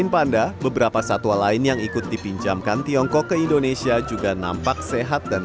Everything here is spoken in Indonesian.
panda beberapa satwa lain yang ikut dipinjamkan tiongkok ke indonesia juga nampak sehat dan